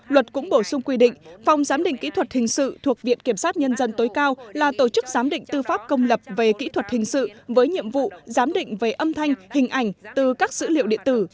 luật cũng bổ sung quy định phòng giám định kỹ thuật hình sự thuộc viện kiểm sát nhân dân tối cao là tổ chức giám định tư pháp công lập về kỹ thuật hình sự với nhiệm vụ giám định về âm thanh hình ảnh từ các dữ liệu điện tử